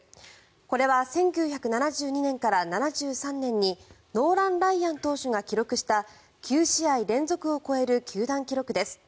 これは１９７２年から７３年にノーラン・ライアン投手が記録した９試合連続を超える球団記録です。